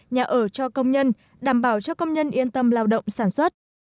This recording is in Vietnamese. nhà ở cho công nhân đảm bảo cho công nhân yên tâm lao động sản xuất